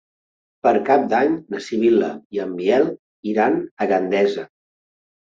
Per Cap d'Any na Sibil·la i en Biel iran a Gandesa.